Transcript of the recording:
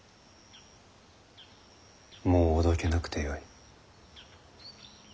もうおどけなくてよい。